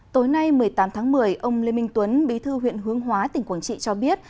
tối nay một mươi tám tháng một mươi ông lê minh tuấn bí thư huyện hướng hóa tỉnh quảng trị cho biết